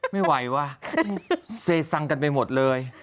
ไม่ไหวว่ะเซซังกันไปหมดเลย